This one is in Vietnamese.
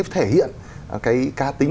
thể hiện cá tính của bản thân